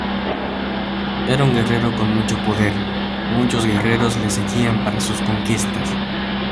Era un guerrero con mucho poder, muchos guerreros le seguían para sus conquistas.